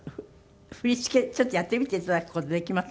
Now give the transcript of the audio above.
振り付けちょっとやってみて頂く事できます？